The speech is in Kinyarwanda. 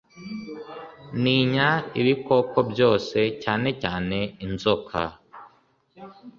Ntinya ibikoko byose cyane cyane inzoka